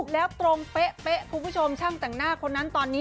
แล้วตรงเป๊ะคุณผู้ชมช่างแต่งหน้าคนนั้นตอนนี้